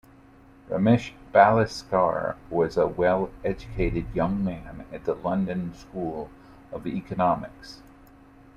Ramesh Balsekar was a well-educated young man at the London School of Economics.